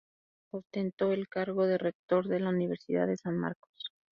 Ostentó el cargo de Rector de la Universidad de San Marcos.